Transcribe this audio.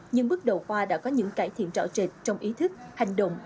nhưng bước đầu khoa đã có những cải thiện rõ rệt trong ý thức hành động